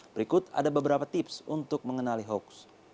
berikut ada beberapa tips untuk mengenali hoax